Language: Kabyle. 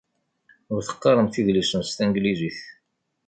Ur teqqaremt idlisen s tanglizit.